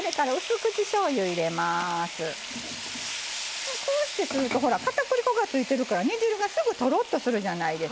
じゃあここにこうしてするとほら片栗粉がついてるから煮汁がすぐとろっとするじゃないですか。